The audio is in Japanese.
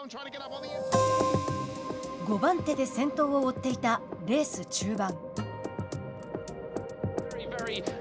５番手で先頭を追っていたレース中盤。